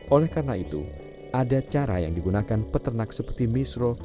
oleh karena itu ada cara yang digunakan peternak seperti misro